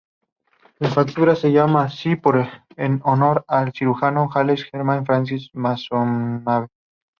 La fractura se llama así en honor al cirujano Jules Germain Francois Maisonneuve.